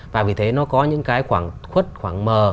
và vì thế nó có những cái khoảng khuất khoảng mờ